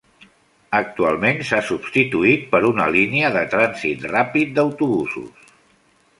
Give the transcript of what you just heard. Actualment, s'ha substituït per una línia de trànsit ràpid d'autobusos.